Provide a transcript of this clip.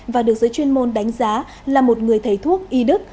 và được giới chuyên môn đánh giá là một người thầy thuốc y đức